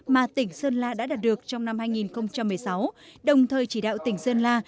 mà tỉnh sơn la đã đạt được trong năm hai nghìn một mươi sáu đồng thời chỉ đạo tỉnh sơn la